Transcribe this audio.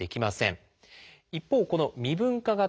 一方この未分化型